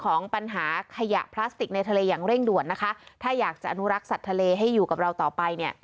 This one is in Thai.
ของปัญหาขยะพลาสติกในทะเลอย่างเร่งด่วนนะคะถ้าอยากจะอนุรักษ์สัตว์ทะเลให้อยู่กับเราต่อไปเนี่ย